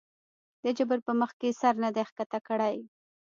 د جبر پۀ مخکښې سر نه دے ښکته کړے